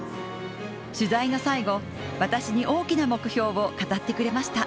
取材の最後、私に大きな目標を語ってくれました。